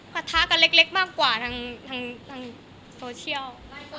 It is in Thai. ปะทะกันเล็กมากกว่าทางโซเชียล